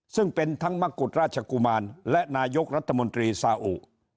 ซึ่งเป็นทั้งมะกุฎราชกุมารและนายกรัฐมนตรีซาอุ